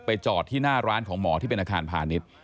จอดที่หน้าร้านของหมอที่เป็นอาคารพาณิชย์